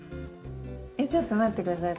えっちょっと待って下さい。